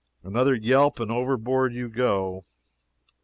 Another yelp, and overboard you go."